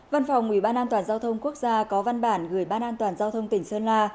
văn phòng ubnd quốc gia có văn bản gửi ban an toàn giao thông tỉnh sơn la